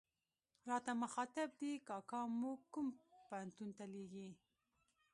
راته مخاطب دي، کاکا موږ کوم پوهنتون ته لېږې.